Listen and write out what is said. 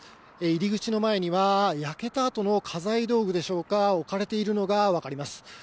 入り口の前には、焼けたあとの家財道具でしょうか、置かれているのが分かります。